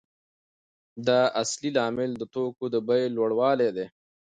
دا اصلي لامل د توکو د بیې لوړوالی دی